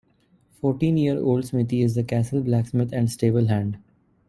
Fourteen-year old Smithy is the castle blacksmith and stable hand.